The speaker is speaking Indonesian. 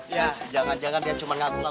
ya jangan jangan dia cuma ngaku ngaku